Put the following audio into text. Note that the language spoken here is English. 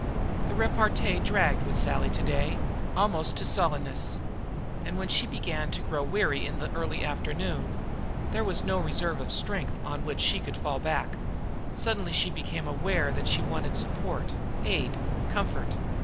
The repartee dragged with Sally to day, almost to sullenness, and when she began to grow weary in the early afternoon, there was no reserve strength on which she could fall back. She suddenly became aware that she wanted support, aid, comfort.